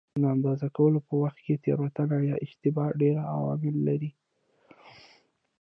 د اندازه کولو په وخت کې تېروتنه یا اشتباه ډېر عوامل لري.